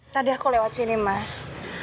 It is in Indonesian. tadi aku lewat sini mas